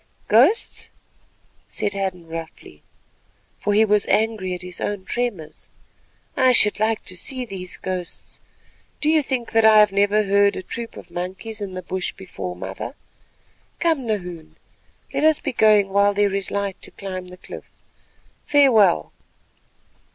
"Ghosts," said Hadden roughly, for he was angry at his own tremors, "I should like to see those ghosts. Do you think that I have never heard a troop of monkeys in the bush before, mother? Come, Nahoon, let us be going while there is light to climb the cliff. Farewell."